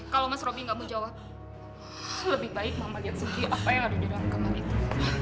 kalau mas robi nggak mau jawab lebih baik mama lihat sendiri apa yang ada di dalam kamar itu